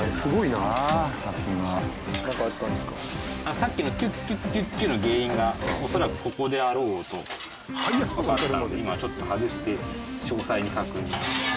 さっきのキュッキュッキュッキュッの原因が恐らくここであろうとわかったので今ちょっと外して詳細に確認。